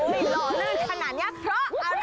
โถโหไม่หล่อเลินขนาดเนี้ยเพราะอะไร